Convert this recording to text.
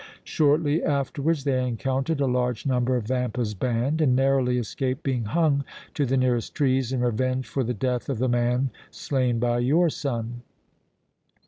Shortly afterwards they encountered a large number of Vampa's band and narrowly escaped being hung to the nearest trees in revenge for the death of the man slain by your son.